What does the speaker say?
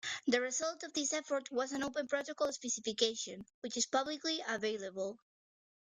The result of this effort was an open protocol specification, which is publicly available.